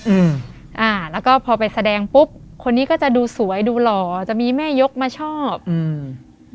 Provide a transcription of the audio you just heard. อืมอ่าแล้วก็พอไปแสดงปุ๊บคนนี้ก็จะดูสวยดูหล่อจะมีแม่ยกมาชอบอืม